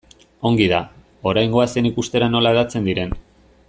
Ongi da, orain goazen ikustera nola hedatzen diren.